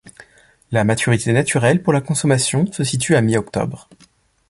La maturité naturelle pour la consommation se situe à mi-octobre.